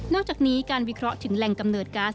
อกจากนี้การวิเคราะห์ถึงแหล่งกำเนิดก๊าซ